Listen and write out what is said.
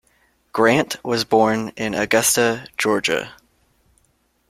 Grant was born in Augusta, Georgia.